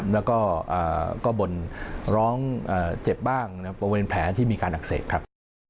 แล้วก็บ่นร้องเจ็บบ้างบริเวณแผลที่มีการอักเสบครับ